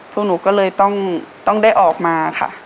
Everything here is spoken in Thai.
พวกหนูก็เลยต้องได้ออกมาค่ะ